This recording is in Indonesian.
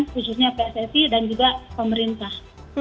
khususnya pssi dan juga pemerintah